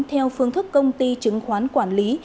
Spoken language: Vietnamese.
theo phương thức công ty chứng khoán quản lý